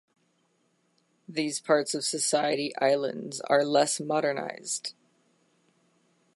These parts of the Society Islands are less modernized.